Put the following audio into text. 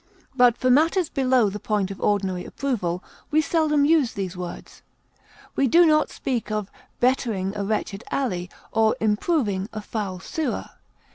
But for matters below the point of ordinary approval we seldom use these words; we do not speak of bettering a wretched alley, or improving a foul sewer.